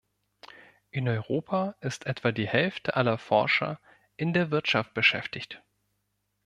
In Europa ist etwa die Hälfte aller Forscher in der Wirtschaft beschäftigt.